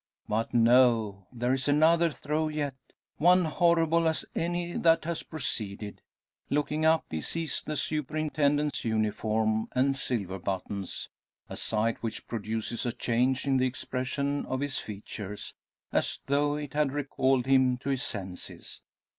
But no; there is another throe yet, one horrible as any that has preceded. Looking up, he sees the superintendent's uniform and silver buttons; a sight which produces a change in the expression of his features, as though it had recalled him to his senses.